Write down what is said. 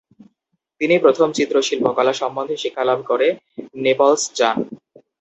তিনি প্রথম চিত্র শিল্পকলা সম্বন্ধে শিক্ষালাভ করে নেপলস যান।